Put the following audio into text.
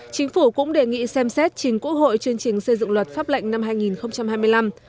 chính phủ cũng đề nghị xem xét chính quốc hội chương trình xây dựng luật pháp lệnh năm hai nghìn hai mươi năm